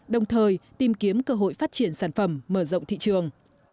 đồng thời tìm kiếm cơ hội phát triển sản phẩm mở rộng thị trường